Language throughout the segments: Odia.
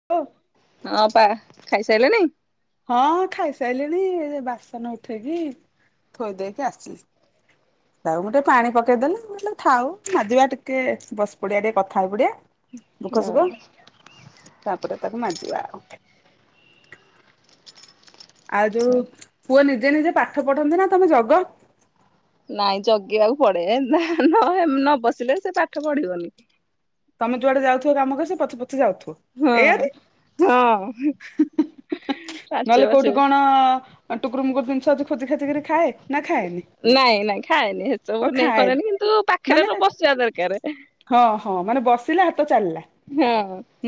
[inaudible] ହଁ ଅପା ଖାଇସାଇଲେଣି? ହଁ ଖାଇସାଇଲିଣି ଏ ବାସନ ଉଠେଇକି ଥୋଇ ଦେଇକି ଆସିଲି। [inaudible] ଥାଉ ମୁଁ ଟିକେ ପାଣି ପକେଇଦେଲି ମୁଁ କହିଲି ଥାଉ ମାଜିବା ଟିକେ ବସି ପଡିଆ ଟିକେ କଥା ହେଇ ପଡିଆ। ଦୁଖ ସୁଖ ହଁ। ତାପରେ ତାକୁ ମାଜିବା ଆଉ। ଆଉ ଯୋଉ ପୁଅ ନିଜେ ନିଜେ ପାଠ ପଢନ୍ତି ନା ତମେ ଜଗ? ନାଇଁ ଜଗିବାକୁ ପଡେ ନ ବସିଲେ ସେ ପାଠ ପଢିବନି। ତମେ ଯୁଆଡେ ଯାଉଥିବ କାମ କରି ପଛେ ପଛେ ଯାଉଥିବ। ହଁ ଏୟାକି ହଁ କାଚେ ନହେଲେ କୋଉଠି ବାଚେ। କଣ ଆ ଟୁକୁର ମୁୁକୁର ଜିନିଷ ଅଛି ଖୋଜି ଖାଜିକିରି ଖାଏ। ନା ଖାଏନି? ନାଇଁ ନାଇଁ ଖାଏନି ଓ ସେସବୁ ନେଇ ଖାଏ କରେନି କିନ୍ତୁ ମାନେ ପାଖରେ ବସିବା ଦରକାରେ। ହଁ ହଁ ମାନେ ବସିଲା ହାତ ଚାଲିଲା।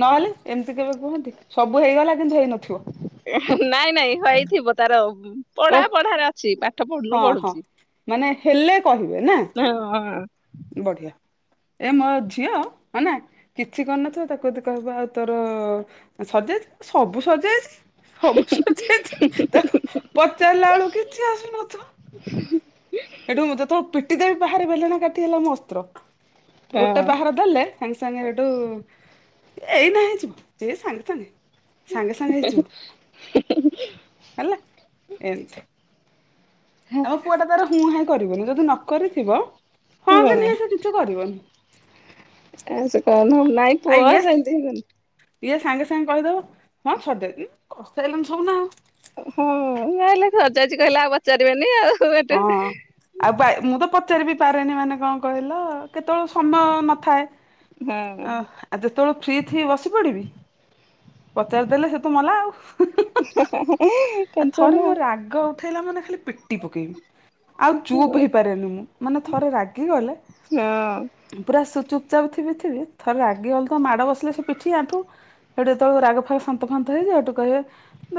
ନହେଲେ ଏମିତି କେବେ କୁହନ୍ତି ସବୁ ହେଇଗଲା କିନ୍ତୁ ହେଇନଥିବ। ନାଇଁ ନାଇଁ ହେଇଥିବ ତାର ପଢା ଓଃ ପଢାରେ ସେ ପାଠ ହଁ ହଁ ଭଲପଢୁଛି ମାନେ ହେଲେ କହିବେ ନା ହଁ ବଢିଆ ଏ ମୋ ଝିଅ ଅନା କିଛି କରିନଥିବ ତାକୁ ଯଦି କହିବ ଆଉ ତୋର ସରିଯାଇଛି ସବୁ ସରିଯାଇଛି। ସବୁ ସରିଯାଇଛି ତାକୁ ପଚାରିଲା ଏଳୁ କିଛି ଆସୁନଥିବ। [inaudible] ହେଠୁ ଯେତେ ବେଳେ ପିଟି ଦେବି ପାହାରେ ବେଲଣା କାଟି ହେଲା ମୋ ଅସ୍ତ୍ର ଗୋଟେ ହଁ ପାହାର ଦେଲେ ସାଙ୍ଗେ ସାଙ୍ଗେ ହେଠୁ ଏଇନେ ହେଇଯିବ ଏଇ ସାଙ୍ଗେ ସାଙ୍ଗେ। ସାଙ୍ଗେ ସାଙ୍ଗେ ହେଇଯିବ ହେଲା ଏମିତି। ଆମ ପୁଅ ଟା ତାର ହୁଁ ହାଁ କରିବନି ଯଦି ନ କରିଥିବ ହଁ କି ନାହିଁ ସେ କିଛି କରିବନି। ଆ ସେ କହ ନହେଲେ ନାଇଁ ଆଉ ପୁଅ ଇଏ ସେମିତି ଇଏ ସାଙ୍ଗେ ସାଙ୍ଗେ କହିଦବ ହଁ ସରିଯାଇଛି କରିସାରିଲାଣି ସବୁ ନା ଆଉ। ହଁ ଯାହାହେଲେ ସରି ଯାଇଛି କହିଲେ ଆଉ ପଚାରିବେନି ଆଉ ହେଠୁ। ହଁ। ଆଉ ବା ମୁଁ ତ ପଚାରିିବି ପାରେନି ମାନେ କଣ କହିଲ କେତେବେଳେ ସମୟ ନଥାଏ ହଁ ଅ ଆ ଯେତେବେଳେ ଫ୍ରି ଥିବି ବସି ପଡିବି ପଚାରିଦେଲେ ସେ ତ ମଲା ଆଉ ଟେନସନ ଥରେ ମୋ ରାଗ ଉଠେଇଲା ମାନେ ଖାଲି ପିଟି ପକେଇବି। ଆଉ ଚୁପ୍ ହେଇପାରେନି ମୁଁ ମାନେ ଥରେ ରାଗି ଗଲେ ହଁ। ପୁରା ଚୁପଚାପ୍ ଥିବି ଥିବି ଥରେ ରାଗିଗଲେତ ମାଡ଼ ବସିଲେ ସେ ପିଠି, ଆଣ୍ଠୁ ହେଠୁ ଯେତେବେ ରାଗ ଫାଗ ସାନ୍ତ ହେଇଯାଏ ହେଠୁ କହିବେ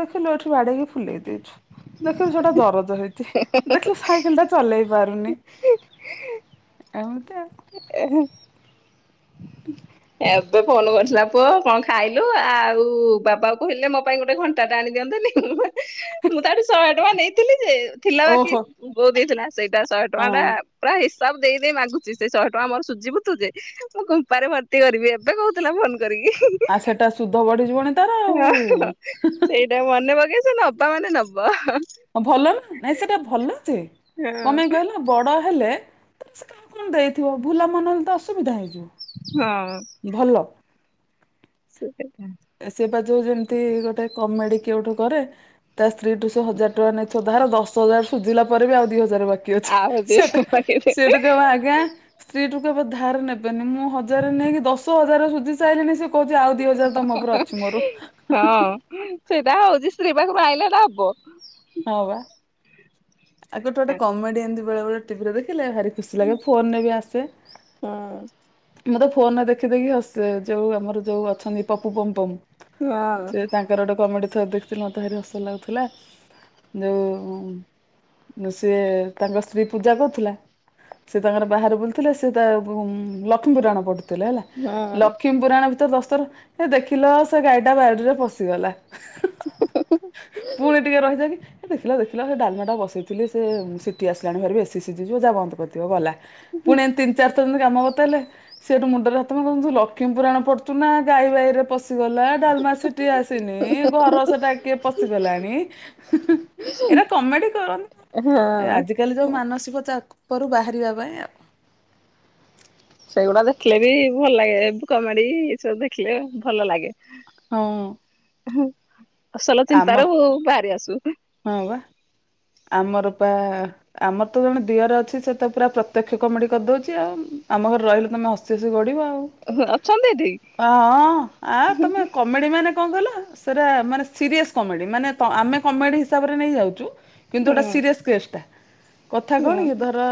ଦେଖିଲୁ ଏଠି ବାଡ଼େଇକି ଫୁଲେଇ ଦେଇଛୁ। ଦେଖିଲୁ ସେଟା ଦରଜ ହେଇଛି ଦେଖିଲ ସାଇ ଦେଖିଲୁ ଏଟା ଚଲେଇ ପାରୁନି ଏମିତି ଆଉ। ଏଁ। ହୁଁ। ଏବେ ଫୋନ କରିଥିଲା ପୁଅ କଣ ଖାଇଲୁ ଆଉ ବାବା କହିଲେ ମୋ ପାଇଁ ଗୋଟେ ଘଣ ସୂତାଟା ଆଣି ଦିଅନ୍ତିନି ମୁଁ ତାଠୁ ଶହେ ଟଙ୍କା ନେଇଥିଲି ଯେ ଥିଲା ବାକି ଓହୋ ବୋଉ ଦେଇଥିଲା। ସେଇଟା ଶହେ ଟଙ୍କା ଟା ହଁ ପୁରା ହିସାବ ଦେଇ ଦେଇ ମାଗୁଛି ସେ ଶହେ ଟଙ୍କା ମୋର ସୁଝିବୁ ତୁ ଯେ ମୁଁ କୁମ୍ପାରେ ଭର୍ତ୍ତି କରିବି ଏବେ କହୁଥିଲା ଫୋନ କରିକି। ଆଉ ସେଟା ସୁଧ ବଢିଯିବନି ତାର ଆଉ ମାନେ ପକେଇଛ କିଛି ନବ ମାନେ ନବ। ହଁ ଭଲ ନା ନାଇଁ ସେଟା ଭଲ ଯେ କଣପାଇଁ ହଁ। କହିଲ ବଡ ହେଲେ ସେ ତ କାହାକୁ କଣ ଦେଇଥିବ ଭୁଲା ମନ ହେଲେ ତ ଅସୁବିଧା ହେଇଯିବ। ହଁ। ଭଲ। ସୁଖେ ଖା ସେ ବା ଯୋଉ ଯେମିତି ଗୋଟେ କମେଡି କିଏ ଗୋଟେ କରେ। ତା ସ୍ତ୍ରୀ ଠୁ ସେ ହଜାର ଟଙ୍କା ନେଇଥିବ ଧାରେ ଦଶ ହଜାର ସୁଝିଲା ପରେ ବି ଆଉ ଦି ହଜାର ବାକି ଅଛି। ଆଉ ସେଟା ସେଠୁ ଦବ ଆଜ୍ଞା। ସ୍ତ୍ରୀଠୁ କେବେ ଧାର ନେବେ ନି ମୁଁ ହଜାର ନେଇକି ଦଶ ହଜାର ସୁଝି ସାରିଲିଣିି ସେ କହୁଛି ଆଉ ଦି ହଜାର ତମ ଉପରେ ଅଛି ମୋର। ହଁ ସେଇଟା ହଉଛି ସ୍ତ୍ରୀ ପାଖରୁ ଆଣିଲେ ହବ। ହ ବା। ଆଗ ଗୋଟେ ଗୋଟେ କମେଡ଼ିଆନ ବେଳେ ବେଳେ ଟିଭିରେ ଦେଖିଲେ ଭାରି ଖୁସି ଲାଗେ ଫୋନ ରେ ବି ଆସେ। ହଁ ମୁଁ ତ ଯୋଉ ଫୋନ ଦେଖି ଦେଖି ହସେ ଯୋଉ ଆମର ଯୋଉ ଅଛନ୍ତି ପପୁ ପମପମ୍। ୱାଓ। ତାଙ୍କର ଗୋଟେ କମେଡି ଥରେ ଦେଖିଥିଲି ମୋତେ ଭାରି ହସ ଲାଗୁଥିଲା ଯୋଉ ସିଏ ତାଙ୍କ ସ୍ତ୍ରୀ ପୂଜା କରୁଥିଲା। ସେ ତାଙ୍କର ବାହାରେ ବୁଲଥିଲେ ସେ ତା କ ଲକ୍ଷ୍ମୀପୁରାଣ ପଡୁଥିଲେ। ହେଲା ହଁ। ଲକ୍ଷ୍ମୀ ପୁରାଣ ଭିତରେ ଦଶଥର ହେ ଦେଖିଲ ସେ ଗାଈଟା ବାଡିରେ ପଶିଗଲା। ପୁଣି ଟିକେ ରହିଯାଇକି ଦେଖିଲ ଦେଖିଲ ସେ ଡାଲମାଟା ବସେଇ ସିଟି ଆସିଲାଣି ଘରେ ବେଶୀ ସିଝି ଯିବ ଯା ବନ୍ଦକରିଦବ ଗଲା। ପୁଣି ଏମତି ତିନି ଚାରିଥରିନ କାମ ବାଟେଇଲେ। ସେଠୁ ମୁଣ୍ଡରେ ହାତ ମାରି ତୂ ଲକ୍ଷ୍ମୀ ପୁରାଣ ପଢୁଛୁ ନା ଗାଈ ଗାଇ ରେ ପଶି ପ ଗଲା ଡାଲମା ସିଟି ଆସିନି ଘର ସେଟା କିଏ ପଶିଗଲାଣି। ଏରା କମେଡି କରନ୍ତି। ହଁ। କାଲି ତ ମାନସିକ ଚାପରୁ ବାହାରିବା ପାଇଁ ଆଉ ସେଗୁଡା ଦେଖିଲେ ବି ଭଲ ଲାଗେ କମେଡ଼ି ଏ ସବୁ ଦେଖିଲେ ଭଲ ଲାଗେ। ହଁ। ହଁ ଅସଲ ଆମ ଚିନ୍ତାରୁ ବାହାରି ଆସୁ। ହଁ ବା। ଆମର ପା ଆମର ତ ଜଣେ ଦିଅର ଅଛି ସେ ତ ପୁରା ପ୍ରତ୍ୟକ୍ଷ କମେଡି କରିଦଉଛି ଆଉ ଆମ ଘରେ ରହିଲେ ତମେ ହସ ହଷ ଗଢିବ ଆଉ ଅଛନ୍ତି ଏଠି। ହଁ ଆ ତମେ କମେଡ଼ି ମାନେ କଣ କହିଲ ସେଟା ମାନେ ସିରିଏସ୍ କମେଡ଼ି ମାନେ ଆମେ କମେଡ଼ି ହିସାବରେ ନେଇ ଯାଉଛୁ। କିନ୍ତୁ ହୁଁ ଗୋଟେ ସିରିଅସ୍ କେସ୍ଟା କଥା ହୁଁ କଣ କି ଧର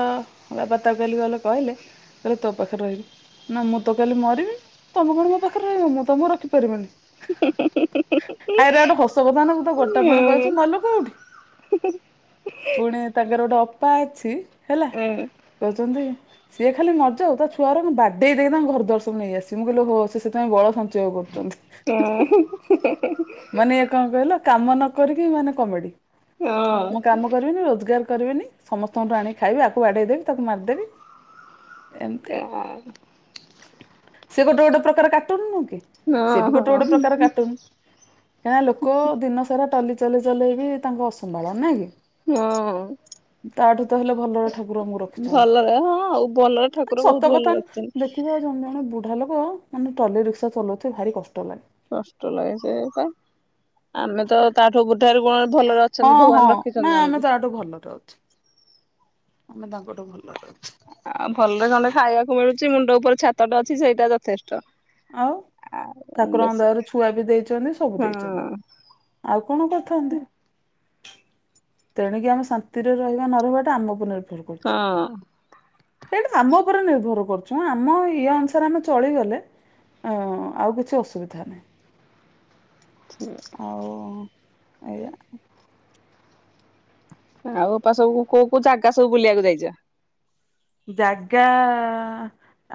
ବାପା ତାକୁ କହିଲି ଗହଲେ କହିଲେ କହିଲେ ତୋ ପାଖରେ ରହିଲି। ନା ମୁଁ ତ କାଲି ମରିବି ତମେ କଣ ମୋ ପାଖରେ ରହିବ ମୁଁ ତମକୁ ରଖିପାରିବିନି। ଆରେ ଗୋଟେ ହସ କଥା ନା କ ତୁ ତ ହୁଁ ଗୋଟା ପଣ ବୟସ ମଲୁ କୋଉଠି? ପୁଣି ତାଙ୍କର ଗୋଟେ ଅପା ଅଛି ହେଲା। ହୁଁ କହୁଚନ୍ତି ସିଏ ଖାଲି ନ ଯାଉ। ତା ଛୁଆଗୁରାଙ୍କୁ ବାଡେଇ ଦେଇ ତାଙ୍କ ଘର ଦ୍ୱାର ସବୁ ନେଇ ଆସିବି। ମୁଁ କହିଲି ଓହୋ, ସିଏ ସେଥିପାଇଁ ବଳ ସ ଞ୍ଚୟ କରୁଚନ୍ତି। ମାନେ ଇଏ କଣ କହିଲ, କାମ ନ କରିକି ମାନେ କମେଡି? ହଁ। ମୁଁ କାମ କରିବିନି, ରୋଜଗାର କରିବିନି ସମସ୍ତଙ୍କୁଠୁ ଆଣି ଖାଇବି। ଆକୁ ବାଡ଼େଇ ଦେବି। ତାକୁ ମାରିଦେବି। ଏମିତି ଆଉ [inaudible] ସେ ଗୋଟେଗୋଟେ ପ୍ରକାର କାଟୁନ୍ ନୁହଁ କି? ସିଏ ବି ହଁ ହଁ। ଗୋଟେଗୋଟେ ପ୍ରକାର କାଟୁନ। କା ଲୋକ। ଦିନ ସାରା ଟଲି ଚଲେଇ ଚଲେଇ ବି ତାଙ୍କୁ ଅସମ୍ଭାଳ, ନାଇଁ କି। ହଁ। ତା ଠୁ ତ ହେଲେ ଭଲରେ ଠାକୁର ଆମକୁ ଭଲରେ ହଁ ଆଉ ଭଲରେ ଠାକୁର ରଖିଛନ୍ତି। ଜଣେ ବହୁତ ଭଲ ରଖିଛନ୍ତି ଜଣେ ବୁଢା ଲୋକ ମାନେ ଟଲି, ରିକ୍ସା ଚଲଉଥିବେ ଭାରି କଷ୍ଟ ଲାଗେ। କଷ୍ଟ ଲାଗେ ସେୟା ତ। କଷ୍ଟ ଲାଗେ। ହଁ ଅଛନ୍ତି ହଁ ଭଗବାନ ନା ରଖିଛନ୍ତି ଆମେ ଆମକୁ। ତା ଠୁ ଭଲରେ ଅଛୁ। ଆମେ ତାଙ୍କ ଠୁ ଭଲରେ ଅଛୁ। ଆଉ ଭଲରେ ଗଣ୍ଡେ ଖାଇବାକୁ ମିଳୁଛି। ମୁଣ୍ଡ ଉପରେ ଛାତଟା ଅଛି, ସେଇଟା ଯଥେଷ୍ଟ। ଆଉ ଠାକୁରଙ୍କ ଦୟାରୁ ଛୁଆ ବି ଦେଇଛନ୍ତି ସବୁ [inaudible] ଦେଇଛନ୍ତି ଆଉ କଣ କରିଥାନ୍ତେ? ତେଣିକି ଆମେ ଶାନ୍ତିରେ ରହିବା ନ ରହିବାଟା ଆମ ଉପରେ ନିର୍ଭର କରୁଛି। ହଁ ସେଇଟା ଆମ ଉପରେ ନିର୍ଭର କରୁଛୁ। ଆମ ଇଏ ଅନୁସାରେ ଆମେ ଚଳିଗଲେ। ଅଁ ଆଉ କିଛି ଅସୁବିଧା ନାହିଁ। [inaudible] [unintelligible] ଏୟା। ଆଉ ଅପା ସବୁ କୋଉ କୋଉ ଜାଗା ସବୁ ବୁଲିବାକୁ ଯାଇଛ? ଜାଗା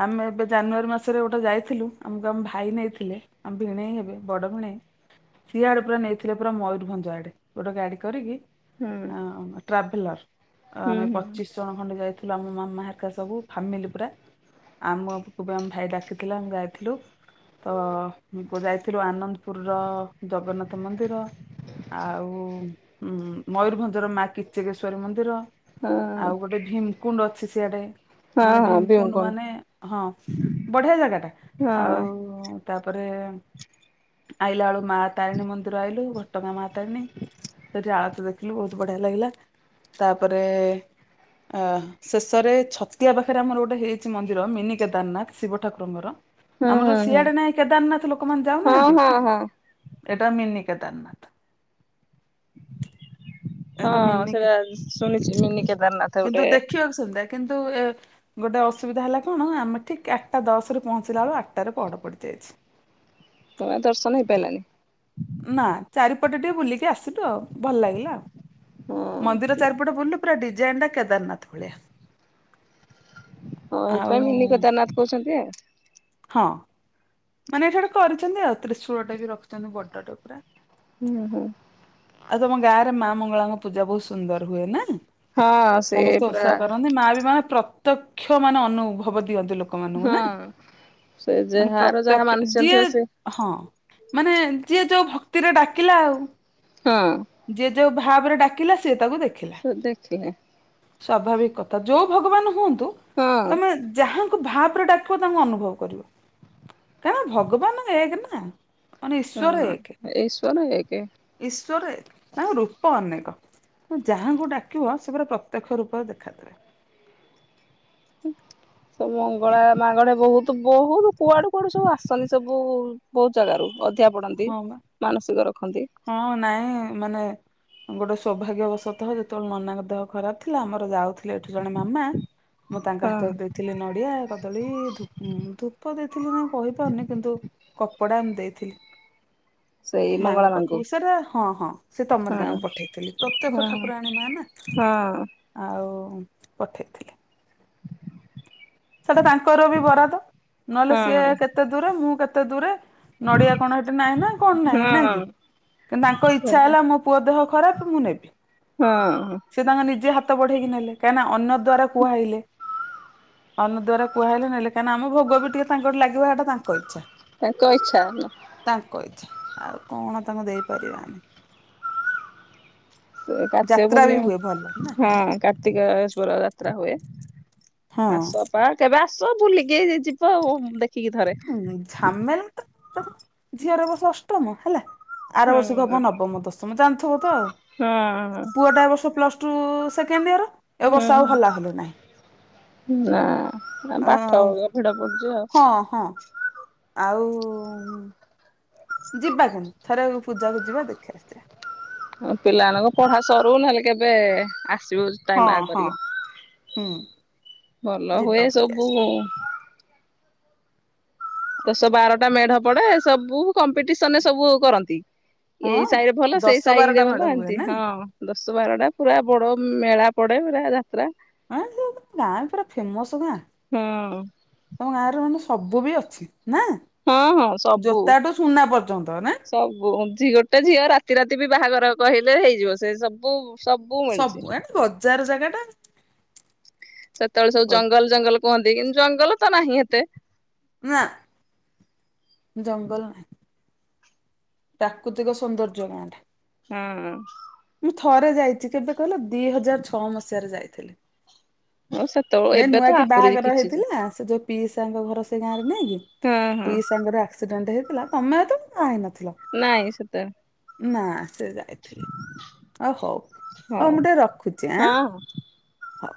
ଆମେ ଏବେ ଜାନୁଆରୀ ମାସରେ ଗୋଟେ ଯାଇଥିଲୁ। ଆମକୁ ଆମ ଭାଇ ନେଇଥିଲେ। ଆମ ଭିଣେଇ ହେବେ, ବଡ ଭିଣେଇ। ସିଆଡେ ପୁରା ନେଇଥିଲେ ପୁରା ମୟୂରଭଞ୍ଜ ଆଡେ ଗୋଟେ ଗାଡି କରିକି। ହୁଁ ଟ୍ରାଭେଲର। ହୁଁ ଆମେ ହୁଁ ପଚିଶି ଜଣ ଖଣ୍ଡେ ଯାଇଥିଲୁ। ଆମେ ମା ହେରିକା ସବୁ ଫାମିଲି ପୁରା। ଆମକୁ ବି ଆମ ଭାଇ ଡାକିଥିଲା ଆମେ ଯାଇଥିଲୁ। ତ ଯାଇଥିଲୁ ଆନନ୍ଦପୁରୁର ଜଗନ୍ନାଥ ମନ୍ଦିର। ଆଉ ମୟୂରଭଞ୍ଜର ମା କିଚକେଶ୍ଵରୀ ମନ୍ଦିର। ହଁ ଆଉ ଗୋଟେ ଭୀମକୁଣ୍ଡ। ଅଛି ସିଆଡେ ହଁ ମାନେ ହଁ ଭୀମକୁଣ୍ଡ ମାନେ। ହଁ। ହଁ ଆଉ। ତାପରେ ଆଇଲା ବେଳୁକୁ ମା ତାରିଣୀ ମନ୍ଦିର ଆଇଲୁ। ଘଟଗାଁ ମା। ଟାଇମିଂ। ସେଠି ଆଳତୀ ଦେଖ ଦେଖିଲୁ ବହୁତ ବଢ଼ିଆ ଲାଗିଲା। ତାପରେ ଶେଷରେ ଛତିଆ ପାଖରେ ଆମର ଗୋଟେ ହେଇଛି ମନ୍ଦିର ମିନି କେଦାରନାଥ, ଶିବ ଠାକୁରଙ୍କର ହୁଁ ଆମର ହୁଁ ଯୋଉ ହୁଁ ସିଆଡେ ନାହିଁ କେଦାରନାଥ ଲୋକମାନେ ଯୋଉ ହଁ ଯାଉନାହାନ୍ତି। ହଁ ହଁ ଏଟା ହଁ ମିନି ସେଟା ଶୁଣିଚି ମିନି କେଦାରନାଥ ଗୋଟେ [unintelligible] କିନ୍ତୁ ଏ ଗୋଟେ ଅସୁବିଧା ହେଲା କଣ, ଆମେ ଠିକ୍ ଆଟା ଦଶରେ ପହଞ୍ଚିଲା ବେଳକୁ ଆଟାରେ ପହଡ ପଡି ଯାଇଛି। ହଁ ଦର୍ଶନ ହେଇପାରିଲାନି। ନା ଚାରିପଟ ଟିକେ ବୁଲିକି ଆସିଲୁ ଆଉ, ଭଲ ଲାଗିଲା ହଁ ମନ୍ଦିର ଚାରିପଟ ବୁଲିଲୁ। ପୁରା ଡିଜାଇନ୍ ଟା କେଦାରନାଥ ଭଳିଆ। ହଁ ଆଉ ଏଇଥିପାଇଁ ମିନି କେଦାରନାଥ କହୁଛନ୍ତି ଆଉ। ହଁ। ମାନେ ଏଠା ଗୋଟେ କରିଛନ୍ତି ଆଉ ତ୍ରିଶୂଳ ଟେ ବି ରଖିଛନ୍ତି ବଡଟେ ପୁରା। ହୁଁ ହୁଁ। ଆଉ ତମ ଗାଁରେ ମା ମଙ୍ଗଳାଙ୍କ ପୂଜା ବହୁତ ସୁନ୍ଦର ହୁଏ ନା? ହଁ ସେ ସମସ୍ତେ ପୁରା ଓଷା କରନ୍ତି ମା ବି ମାନେ ପ୍ରତ୍ୟକ୍ଷ ମାନେ ଅନୁଭବ ଦିଅନ୍ତି ଲୋକ ହଁ ସେ ଯାହାର ଯାହା ପ୍ରତ୍ୟକ୍ଷ ମାନସିକ ଯିଏ ଥିବ ସେ ହଁ ମାନେ ଯିଏ ଯୋଉ ଭକ୍ତିରେ ଡାକିଲା ଆଉ। ହଁ। ଯିଏ ଯୋଉ ଭାବରେ ଡାକିଲା ସିଏ ତାକୁ ଦେ ସ ଦେଖିଲେ। ସ୍ୱାଭାବିକ କଥା ଯୋଉ ଭଗବାନ ହୁଅନ୍ତୁ ହଁ ତମେ ଯାହା ତାକୁ ଭାବ ରେ ଡାକିବ ତାଙ୍କୁ ଅନୁଭବ କରିବ କାହିଁକ ଭଗବାନ ଏକେ ନା? ମାନେ ହୁଁ ଈଶ୍ୱର ଏକ ଈଶ୍ୱର ଏକେ। ଈଶ୍ୱର ଏକ। ତାଙ୍କ ରୂପ ଅନେକ ତ ଯାହାଙ୍କୁ ଡାକିବ ସେ ପୁରା ପ୍ରତ୍ୟକ୍ଷ ରୂପରେ ଦେଖାଦେବେ। ସବୁ ମଙ୍ଗଳା ମାଗଡେ ବହୁତ ବହୁତ କୁଆଡୁ କୁଆଡୁ ସବୁ ଆସନ୍ତି ସବୁ ବହୁତ ଜାଗାରୁ ଅଧିଆ ପଡନ୍ତି ହଁ ବା ମାନସିକ ରଖନ୍ତି। ହଁ ନାଇଁ ମାନେ ଗୋଟେ ସୌଭାଗ୍ୟବଶତଃ ଯେତେବେଳେ ନନାଙ୍କ ଦେହ ଖରାପ ଥିଲା ଆମର ଯାଉଥିଲେ ଏଠୁ ଜଣେ ମାମା ମୁଁ ତାଙ୍କ ହଁ ହାତରେ ଦେଇଥିଲି ନଡିଆ କଦଳୀ ଧୂ ଧୂପ ଦେଇଥିଲି ନାଇଁ କହିପାରୁନି କିନ୍ତୁ କପଡା ଏମିତି ଦେଇଥିଲି। ସେଇ ମାଙ୍କ ମଙ୍ଗଳା ମାଙ୍କୁ ପାଖକୁ ସେରା ହଁ ହଁ ସେ ତମରି ହଁ ଗାଁକୁ ପଠେଇଥିଲି ପ୍ରତ୍ୟକ୍ଷ ଠାକୁରା ଆଣୀ ମା ନା? ହୁଁ। ଆଉ ପଠେଇଥିଲି। ସେଟା ତାଙ୍କର ବି ବରାଦ ନହେଲେ ସିଏ ହଁ କେତେ ଦୂରେ ମୁଁ କେତେ ଦୂରେ ନଡିଆ କଣ ହେଟି ନାହିଁ ନା କଣ ନାହିଁ ହଁ ନା ହଁ କି? କିନ୍ତୁ ତାଙ୍କ ଇଚ୍ଛା ସେଇଟା ହେଲା ମୋ ପୁଅ ଦେହ ଖରାପ ମୁଁ ନେବି। ହଁ। ସେ ତାଙ୍କ ନିଜେ ହାତ ବଢେଇକି ନେଲେ କାହିଁକିନା ଅନ୍ୟ ଦ୍ଵାରା କୁହାଇଲେ। ଅନ୍ୟ ଦ୍ୱାରା କୁହାଇଲେ ନେଲେ କାହିଁକିନା ଆମ ଭୋଗ ବି ଟିକେ ତାଙ୍କଠି ଲାଗିବ ଏଇଟା ତାଙ୍କ ଇଚ୍ଛା। ତାଙ୍କ ଇଚ୍ଛା ନାଁ? ତାଙ୍କ ଇଚ୍ଛା ଆଉ କଣ ତାଙ୍କୁ ଦେଇପାରିବା ଆମେ। ସେ କାର୍ତ୍ତିକ ଯାତ୍ରା ବି ପୂର୍ଣ୍ଣିମା ହୁଏ ଭଲ ନା। ହଁ। କାର୍ତ୍ତିକେଶ୍ଵର ଯାତ୍ରା ହୁଏ ହଁ ଆସ। ପା କେବେ ଆସ ବୁଲିକି ଯି ଯିବ ଅ ଦେଖିକି ଥରେ। ଝାମେଲା ତ ଦେଖୁନୁ ଝିଅର ଏ ବର୍ଷ ଅଷ୍ଟମ ହେଲା ଆର ହଁ ବର୍ଷକୁ ହବ ନବମ ଦଶମ ଜାଣିଥିବ ତ ଆଉ ହଁ ପୁଅ ଟା ଏ ବର୍ଷ ପ୍ଲସ ଟୁ ସେକେଣ୍ଡ ଇୟର। ଏ ବର୍ଷ ହଁ ଆଉ ହଲା ହଲି ନାହିଁ ନା ଅ ପାଠ ଭିଡ ପଡୁଛି ଆଉ। ହଁ ହଁ ଆଉ ଯିବା ପୁଣି ଥରେ ପୂଜାକୁ ଯିବା ଦେଖି ଆସିବା। ହଁ ପିଲାମାନଙ୍କ ପଢା ସରୁୁ ନହେଲେ କେବେ ଆସିବୁ ଟାଇମ ବାହାର ହଁ-ହଁ କରିକି। ହୁଁ। ଭଲ ଯିବା ହୁଏ ବୁଲି ସବୁ। ଆସିବା ଦଶ ବାରଟା ମେଢ ପଡେ ସବୁ କମ୍ପିଟିସନ୍ ରେ ସବୁ କରନ୍ତି। ଏଇ ହଁ ସାହିରେ ଭଲ ସେଇ ଦଶ ବାରଟା ସାହିରେ ଭଲ ମେଢ ହୁଏ ଏନ୍ତି ନା ହଁ। ଦଶ ବାରଟା ପୁରା ବଡ ମେଳା ପଡେ ପୁରା। ଯାତ୍ରା ହଁ ଗାଁ ପୁରା ଫେମସ୍ ଗାଁ। ହଁ ତମ ଗାଁରେ ମାନେ ସବୁ ବି ଅଛି ନା ହଁ ହଁ ସବୁ। ଜୋତାଠୁ ସୁନା ପର୍ଯ୍ୟନ୍ତ ନା। ସବୁ ଗୋଟେ ଝିଅ ରାତି-ରାତି ବି ବାହାଘର କହିଲେ ହେଇଯିବ ସେ ସବୁ। ସବୁ ମିଳୁଛି। ସବୁ [unintelligible] ବଜାର ଜାଗା ଟା। ସେତବେଳେ ସବୁ ଜଙ୍ଗଲ-ଜଙ୍ଗଲ କୁହନ୍ତି କିନ୍ତୁ ଜଙ୍ଗଲ ତ ନାହିଁ ଏତେ। ନା ଜଙ୍ଗଲ ନାହିଁ। ପ୍ରାକୃତିକ ସୌନ୍ଦର୍ଯ୍ୟ ଗାଁ ଟା। ହଁ। ମୁଁ ଥରେ ଯାଇଛି କେବେ କହିଲ ଦି ହଜାର ଛଅ ମସିହାରେ ଯାଇଥିଲି। [inaudible] ହେ ନୂଆ ତ କି ଆହୁରି ବାହାଘର କିଛି ଯେ ହେଇଥିଲା ସେ ଯୋଉ ପିଇସାଙ୍କ ଘର ସେଇ ଗାଁ ରେ ନେଇକି ହଁ ହଁ। ପିଇସାଙ୍କର ଆକ୍ସିଡେଣ୍ଟ ହେଇଥିଲା ତମେ ତ ବାହା ହେଇ ନଥିଲ। ନାଇଁ ସେତବେଳେ। ନା ସେ ଯାଇଥିଲେ ଓ ହଉ ହଉ ମୁଁ ଟିକେ ରଖୁଚି ଆଁ। ହଁ ହଁ। ହଉ।